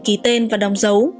ký tên và đồng dấu